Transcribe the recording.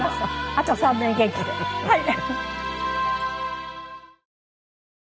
あと３年元気ではい。